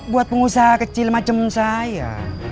buat pengusaha kecil macem saya